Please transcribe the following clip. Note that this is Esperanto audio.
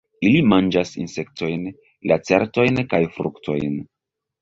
Ili manĝas insektojn, lacertojn kaj fruktojn.